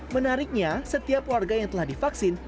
menariknya setiap warga yang telah divaksin